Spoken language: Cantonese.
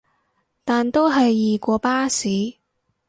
但都係易過巴士